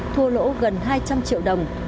thua lỗ gần hai trăm linh triệu đồng